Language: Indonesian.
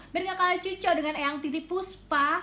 biar gak kalah cucu dengan eyang titi puspa